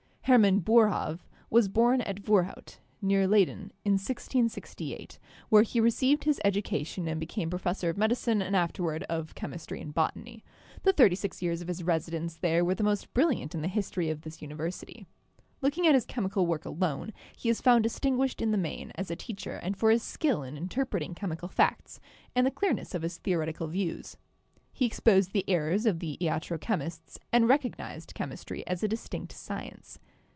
Hermann Boerhaave was born at Voorhout, near Ley den, in 1668, where he received his education and became professor of medicine and afterward of chemistry and botany. The thirty six years of his residence there were the most brilliant in the history of this university. Look ing at his chemical work alone, he is found distinguished in the main as a teacher and for his skill in interpreting chemical facts and the clearness of his theoretical views. He exposed the errors of the iatro chemists and recognised chemistry as a distinct science.